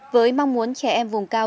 với mong muốn trẻ em vùng cao